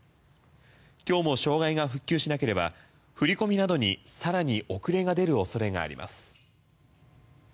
今日も障害が復旧しなければ振り込みなどに更に遅れが出る恐れがあります。